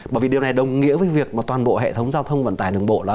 bởi vì điều này đồng nghĩa với việc mà toàn bộ hệ thống giao thông vận tải đường bộ